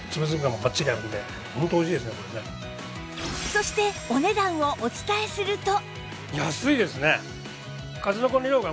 そしてお値段をお伝えすると